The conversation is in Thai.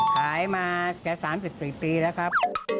ขายมาแค่๓๔ปีแล้วครับ